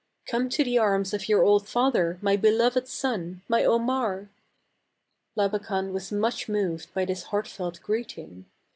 "Come to the arms of your 'old father, my beloved son, my Omar! " Labakan was much moved by this heartfelt greeting.